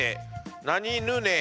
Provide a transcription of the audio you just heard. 「なにぬね」